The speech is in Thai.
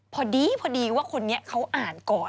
พอดีพอดีว่าคนนี้เขาอ่านก่อน